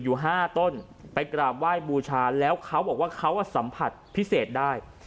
อยู่๕ต้นไปกราบไหว้บูชาแล้วเขาบอกว่าเขาสัมผัสพิเศษได้